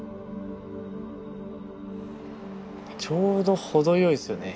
ちょうど程よいっすよね